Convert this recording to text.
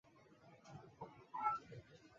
奥特尔芬格是德国巴伐利亚州的一个市镇。